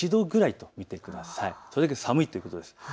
それだけ寒いということです。